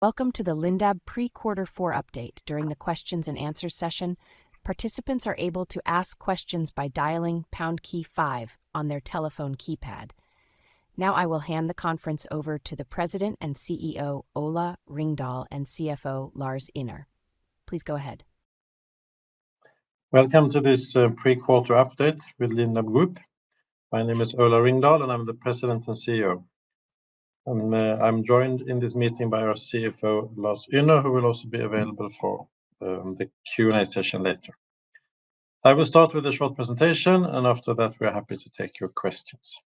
Welcome to the Lindab Pre-Quarter Four update. During the Q&A session, participants are able to ask questions by dialing #5 on their telephone keypad. Now, I will hand the conference over to the President and CEO, Ola Ringdahl, and CFO, Lars Ynner. Please go ahead. Welcome to this pre-quarter update with Lindab Group. My name is Ola Ringdahl, and I'm the President and CEO. I'm joined in this meeting by our CFO, Lars Ynner, who will also be available for the Q&A session later. I will start with a short presentation, and after that, we're happy to take your questions.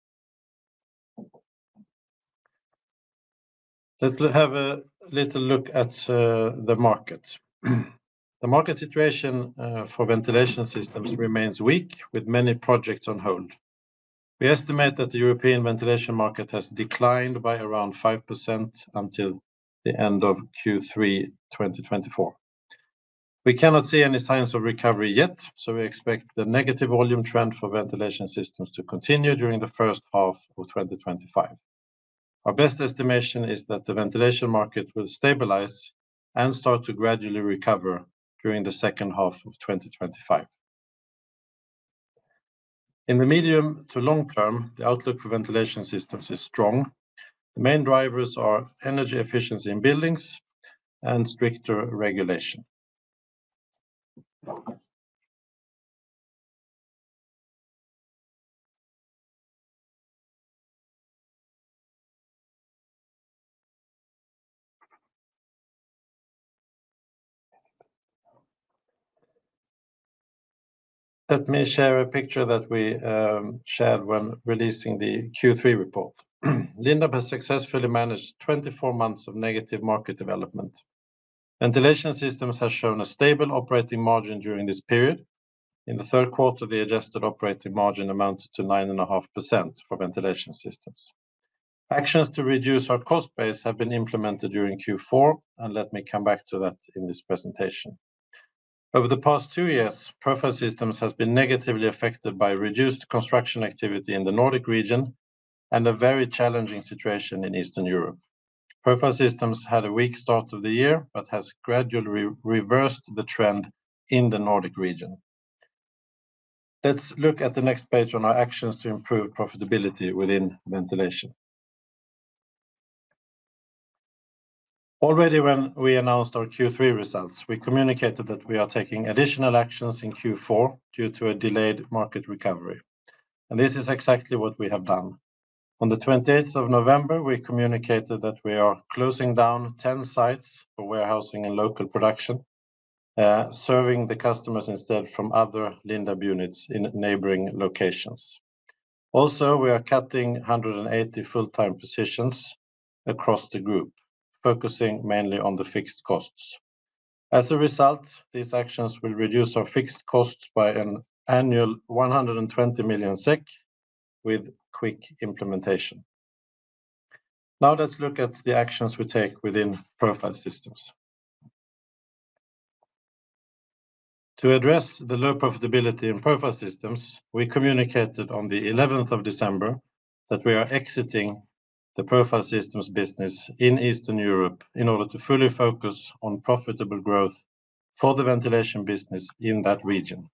Let's have a little look at the market. The market situation for ventilation systems remains weak, with many projects on hold. We estimate that the European ventilation market has declined by around 5% until the end of Q3 2024. We cannot see any signs of recovery yet, so we expect the negative volume trend for ventilation systems to continue during the first half of 2025. Our best estimation is that the ventilation market will stabilize and start to gradually recover during the second half of 2025. In the medium to long term, the outlook for ventilation systems is strong. The main drivers are energy efficiency in buildings and stricter regulation. Let me share a picture that we shared when releasing the Q3 report. Lindab has successfully managed 24 months of negative market development. Ventilation systems have shown a stable operating margin during this period. In the third quarter, the adjusted operating margin amounted to 9.5% for ventilation systems. Actions to reduce our cost base have been implemented during Q4, and let me come back to that in this presentation. Over the past two years, Profile Systems have been negatively affected by reduced construction activity in the Nordic region and a very challenging situation in Eastern Europe. Profile Systems had a weak start of the year but have gradually reversed the trend in the Nordic region. Let's look at the next page on our actions to improve profitability within ventilation. Already, when we announced our Q3 results, we communicated that we are taking additional actions in Q4 due to a delayed market recovery. And this is exactly what we have done. On the 28th of November, we communicated that we are closing down 10 sites for warehousing and local production, serving the customers instead from other Lindab units in neighboring locations. Also, we are cutting 180 full-time positions across the group, focusing mainly on the fixed costs. As a result, these actions will reduce our fixed costs by an annual 120 million SEK with quick implementation. Now, let's look at the actions we take within Profile Systems. To address the low profitability in Profile Systems, we communicated on the 11th of December that we are exiting the Profile Systems business in Eastern Europe in order to fully focus on profitable growth for the ventilation business in that region.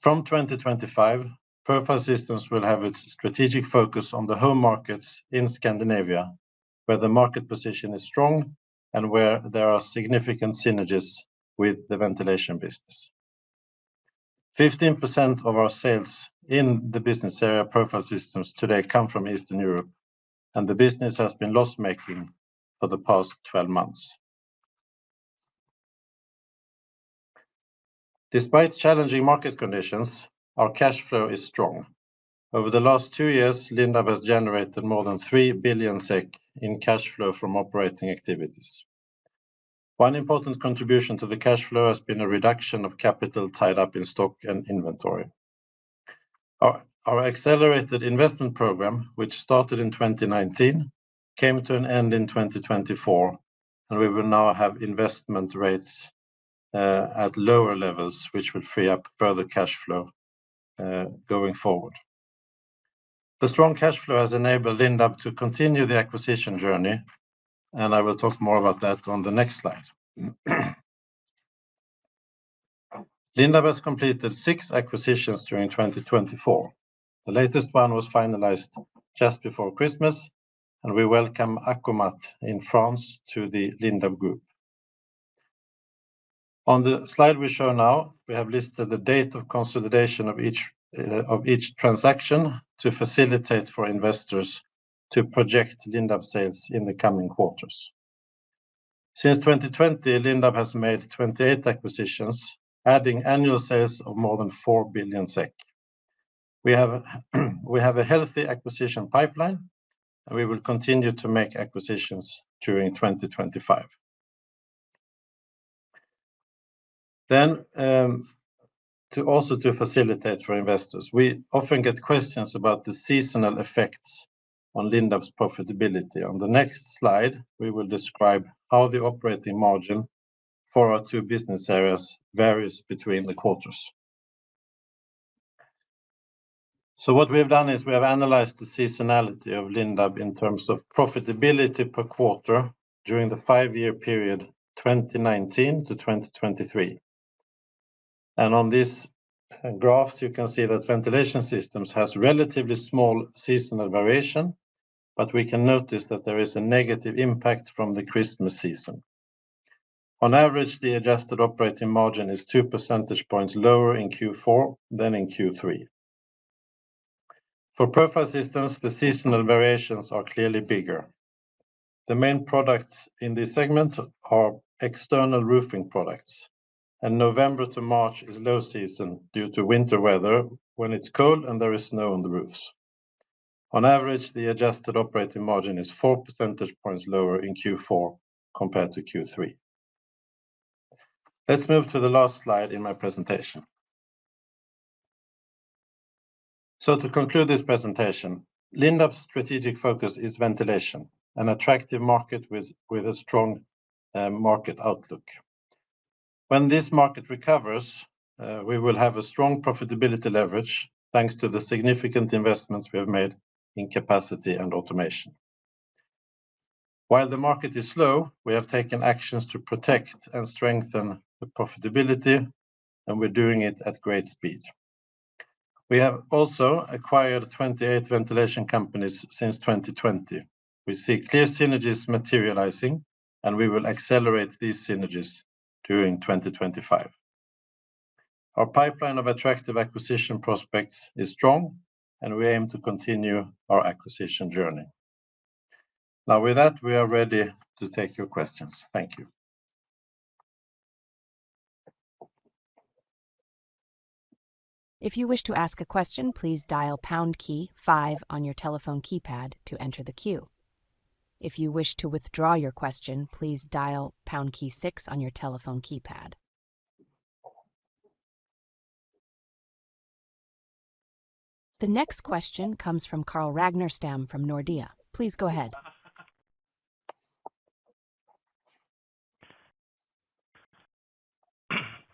From 2025, Profile Systems will have its strategic focus on the home markets in Scandinavia, where the market position is strong and where there are significant synergies with the ventilation business. 15% of our sales in the business area Profile Systems today come from Eastern Europe, and the business has been loss-making for the past 12 months. Despite challenging market conditions, our cash flow is strong. Over the last two years, Lindab has generated more than 3 billion SEK in cash flow from operating activities. One important contribution to the cash flow has been a reduction of capital tied up in stock and inventory. Our accelerated investment program, which started in 2019, came to an end in 2024, and we will now have investment rates at lower levels, which will free up further cash flow going forward. The strong cash flow has enabled Lindab to continue the acquisition journey, and I will talk more about that on the next slide. Lindab has completed six acquisitions during 2024. The latest one was finalized just before Christmas, and we welcome Aircom in France to the Lindab Group. On the slide we show now, we have listed the date of consolidation of each transaction to facilitate for investors to project Lindab sales in the coming quarters. Since 2020, Lindab has made 28 acquisitions, adding annual sales of more than 4 billion SEK. We have a healthy acquisition pipeline, and we will continue to make acquisitions during 2025. Then, also to facilitate for investors, we often get questions about the seasonal effects on Lindab's profitability. On the next slide, we will describe how the operating margin for our two business areas varies between the quarters, so what we have done is we have analyzed the seasonality of Lindab in terms of profitability per quarter during the five-year period 2019 to 2023, and on these graphs, you can see that ventilation systems have relatively small seasonal variation, but we can notice that there is a negative impact from the Christmas season. On average, the adjusted operating margin is two percentage points lower in Q4 than in Q3. For Profile Systems, the seasonal variations are clearly bigger. The main products in this segment are external roofing products, and November to March is low season due to winter weather when it's cold and there is snow on the roofs. On average, the adjusted operating margin is four percentage points lower in Q4 compared to Q3. Let's move to the last slide in my presentation. So to conclude this presentation, Lindab's strategic focus is ventilation, an attractive market with a strong market outlook. When this market recovers, we will have a strong profitability leverage thanks to the significant investments we have made in capacity and automation. While the market is slow, we have taken actions to protect and strengthen the profitability, and we're doing it at great speed. We have also acquired 28 ventilation companies since 2020. We see clear synergies materializing, and we will accelerate these synergies during 2025. Our pipeline of attractive acquisition prospects is strong, and we aim to continue our acquisition journey. Now, with that, we are ready to take your questions. Thank you. If you wish to ask a question, please dial #5 on your telephone keypad to enter the queue. If you wish to withdraw your question, please dial #6 on your telephone keypad. The next question comes from Carl Ragnerstam from Nordea. Please go ahead.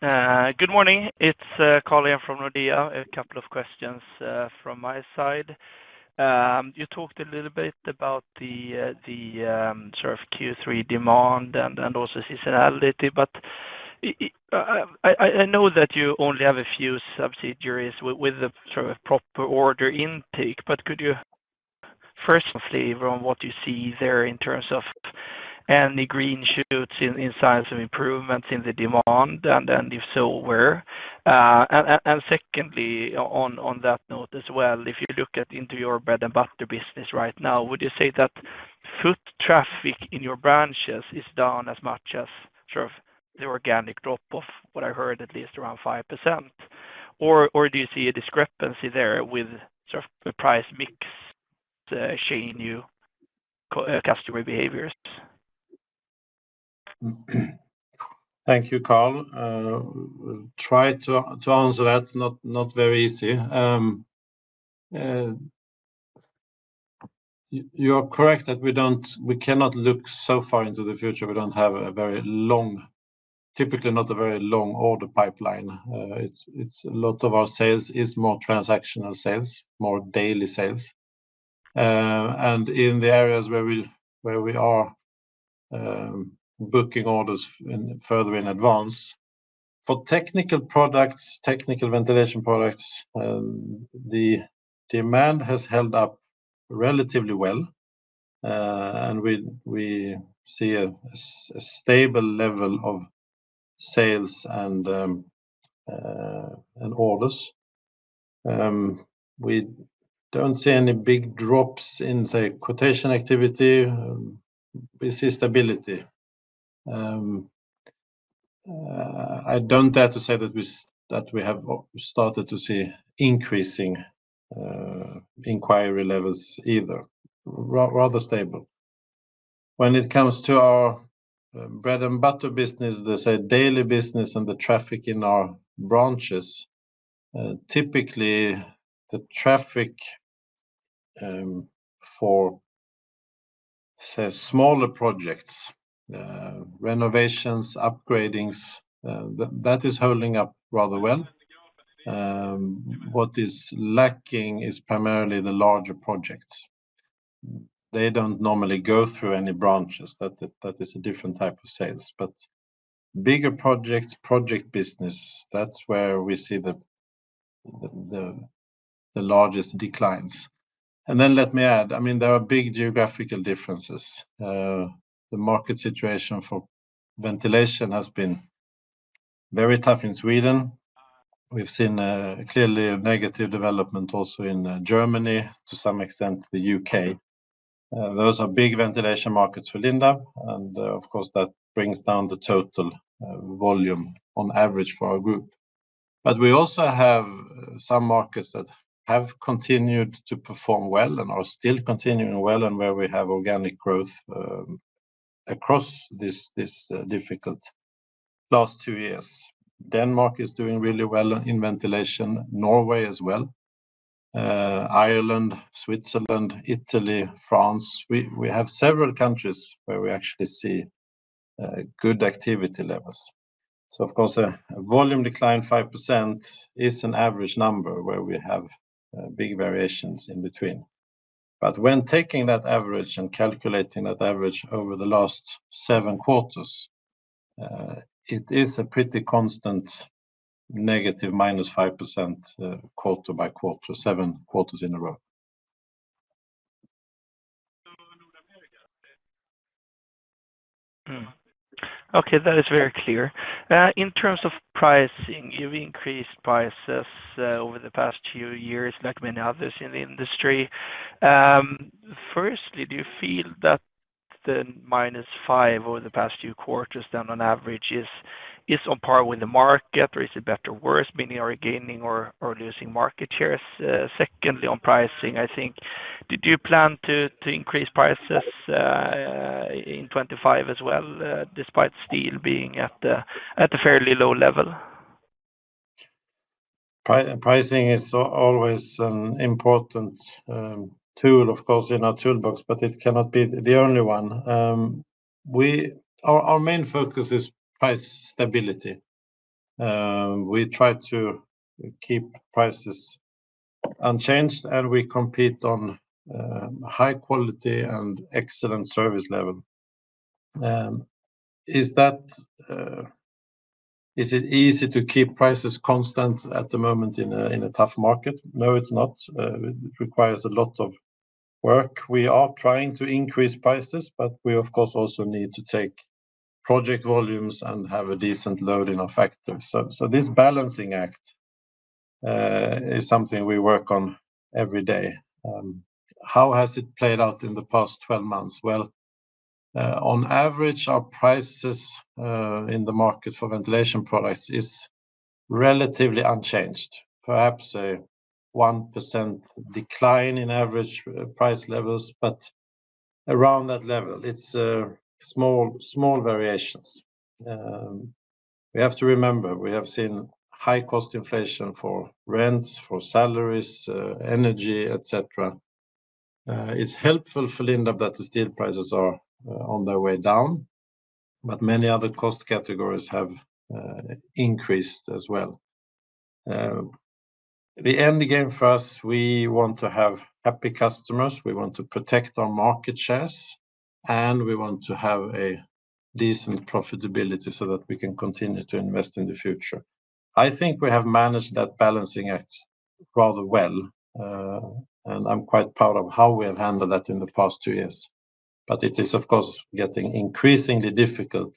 Good morning. It's Carl Ragnerstam from Nordea. A couple of questions from my side. You talked a little bit about the sort of Q3 demand and also seasonality, but I know that you only have a few subsidiaries with the sort of proper order intake. But could you first elaborate on what you see there in terms of any green shoots or signs of improvement in the demand, and if so, where? And secondly, on that note as well, if you look into your bread-and-butter business right now, would you say that foot traffic in your branches is down as much as sort of the organic drop of, what I heard, at least around 5%? Or do you see a discrepancy there with sort of the price mix shaping your customer behaviors? Thank you, Carl. Try to answer that. Not very easy. You're correct that we cannot look so far into the future. We don't have a very long, typically not a very long order pipeline. A lot of our sales is more transactional sales, more daily sales, and in the areas where we are booking orders further in advance, for technical products, technical ventilation products, the demand has held up relatively well, and we see a stable level of sales and orders. We don't see any big drops in, say, quotation activity. We see stability. I don't dare to say that we have started to see increasing inquiry levels either. Rather stable. When it comes to our bread-and-butter business, the daily business, and the traffic in our branches, typically the traffic for, say, smaller projects, renovations, upgrading, that is holding up rather well. What is lacking is primarily the larger projects. They don't normally go through any branches. That is a different type of sales. But bigger projects, project business, that's where we see the largest declines. And then let me add, I mean, there are big geographical differences. The market situation for ventilation has been very tough in Sweden. We've seen clearly a negative development also in Germany, to some extent the UK. Those are big ventilation markets for Lindab, and of course, that brings down the total volume on average for our group. But we also have some markets that have continued to perform well and are still continuing well and where we have organic growth across this difficult last two years. Denmark is doing really well in ventilation. Norway as well. Ireland, Switzerland, Italy, France. We have several countries where we actually see good activity levels. So of course, a volume decline of 5% is an average number where we have big variations in between. But when taking that average and calculating that average over the last seven quarters, it is a pretty constant negative minus 5% quarter by quarter, seven quarters in a row. Okay, that is very clear. In terms of pricing, you've increased prices over the past few years like many others in the industry. Firstly, do you feel that the minus 5 over the past few quarters then on average is on par with the market, or is it better or worse? Meaning, are we gaining or losing market shares? Secondly, on pricing, I think, did you plan to increase prices in 2025 as well despite steel being at a fairly low level? Pricing is always an important tool, of course, in our toolbox, but it cannot be the only one. Our main focus is price stability. We try to keep prices unchanged, and we compete on high quality and excellent service level. Is it easy to keep prices constant at the moment in a tough market? No, it's not. It requires a lot of work. We are trying to increase prices, but we, of course, also need to take project volumes and have a decent load in our factory. So this balancing act is something we work on every day. How has it played out in the past 12 months? Well, on average, our prices in the market for ventilation products is relatively unchanged. Perhaps a 1% decline in average price levels, but around that level. It's small variations. We have to remember we have seen high cost inflation for rents, for salaries, energy, etc. It's helpful for Lindab that the steel prices are on their way down, but many other cost categories have increased as well. The end game for us, we want to have happy customers. We want to protect our market shares, and we want to have a decent profitability so that we can continue to invest in the future. I think we have managed that balancing act rather well, and I'm quite proud of how we have handled that in the past two years. But it is, of course, getting increasingly difficult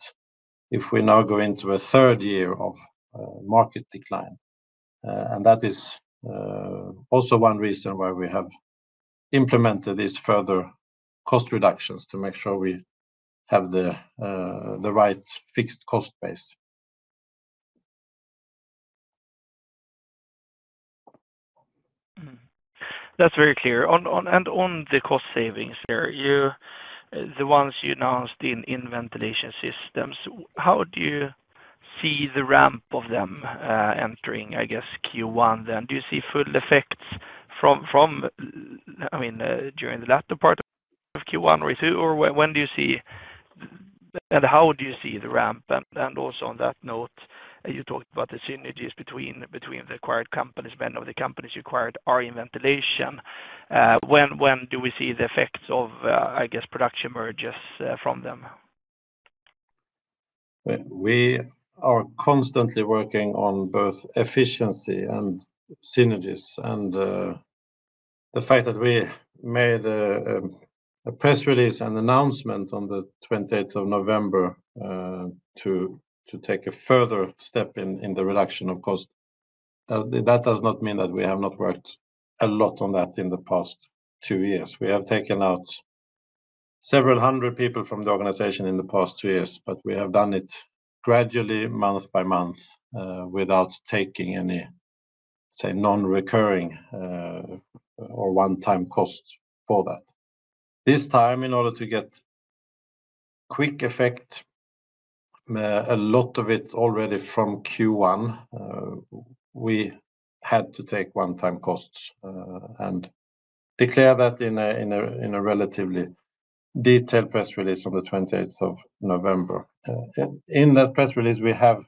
if we now go into a third year of market decline. And that is also one reason why we have implemented these further cost reductions to make sure we have the right fixed cost base. That's very clear. And on the cost savings, the ones you announced in ventilation systems, how do you see the ramp of them entering, I guess, Q1 then? Do you see full effects from, I mean, during the latter part of Q1 or Q2, or when do you see, and how do you see the ramp? And also on that note, you talked about the synergies between the acquired companies, many of the companies you acquired are in ventilation. When do we see the effects of, I guess, production merges from them? We are constantly working on both efficiency and synergies, and the fact that we made a press release and announcement on the 28th of November to take a further step in the reduction of cost, that does not mean that we have not worked a lot on that in the past two years. We have taken out several hundred people from the organization in the past two years, but we have done it gradually, month by month, without taking any, say, non-recurring or one-time cost for that. This time, in order to get quick effect, a lot of it already from Q1, we had to take one-time costs and declare that in a relatively detailed press release on the 28th of November. In that press release, we have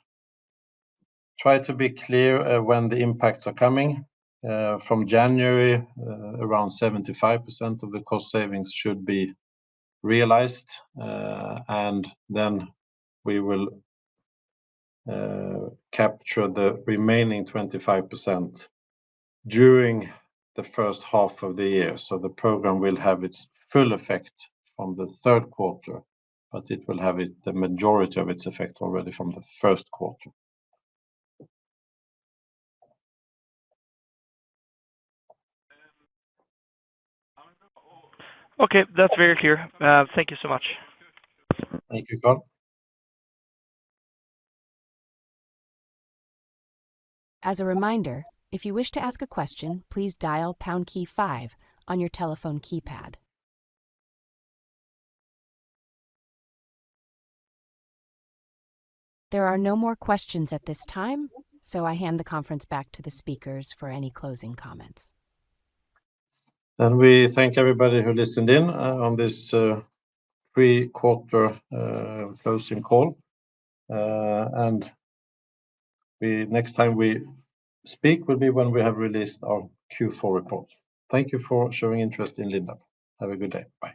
tried to be clear when the impacts are coming. From January, around 75% of the cost savings should be realized, and then we will capture the remaining 25% during the first half of the year, so the program will have its full effect from the third quarter, but it will have the majority of its effect already from the first quarter. Okay, that's very clear. Thank you so much. Thank you, Carl. As a reminder, if you wish to ask a question, please dial #5 on your telephone keypad. There are no more questions at this time, so I hand the conference back to the speakers for any closing comments. We thank everybody who listened in on this third quarter closing call. Next time we speak will be when we have released our Q4 report. Thank you for showing interest in Lindab. Have a good day.